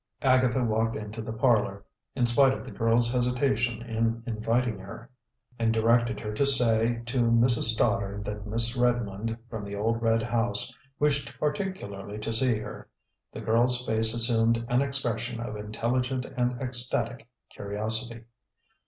Agatha walked into the parlor, in spite of the girl's hesitation In inviting her, and directed her to say to Mrs. Stoddard that Miss Redmond, from the old red house, wished particularly to see her. The girl's face assumed an expression of intelligent and ecstatic curiosity.